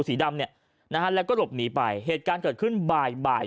สีดำเนี่ยนะฮะแล้วก็หลบหนีไปเหตุการณ์เกิดขึ้นบ่ายบ่าย